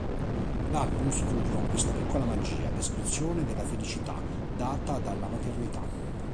L'album si chiude con "Questa piccola magia", descrizione della felicità data dalla maternità.